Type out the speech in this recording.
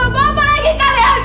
bapak lagi kalian